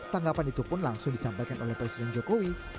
tanggapan itu pun langsung disampaikan oleh presiden jokowi